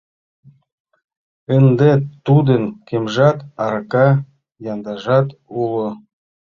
Ынде тудын кемжат, арака яндажат уло.